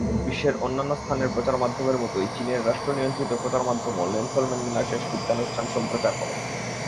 বিশ্বের অন্যান্য স্থানের প্রচারমাধ্যমের মতোই চীনের রাষ্ট্রনিয়ন্ত্রিত প্রচারমাধ্যমও নেলসন ম্যান্ডেলার শেষকৃত্যানুষ্ঠান সম্প্রচার করে।